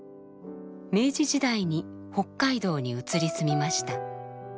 明治時代に北海道に移り住みました。